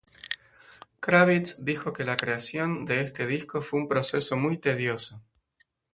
Kravitz dijo que la creación de este disco fue un proceso muy tedioso.